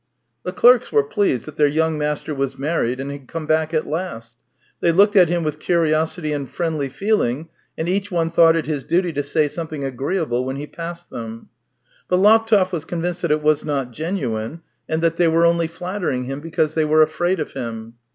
The clerks were plea*^ed that their young master was married and had come back at last ; they looked at him with curiosity and friendly feeling, and each one thought it his duty to say something agreeable when he passed him. But Laptev wa*^ convinced that it was not genuine, and that they were only flattering him because they were afraid of him.